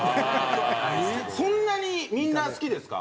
そんなにみんな好きですか？